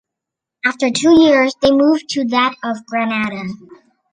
After two years, they move to that of Granada.